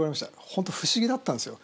本当不思議だったんですよ。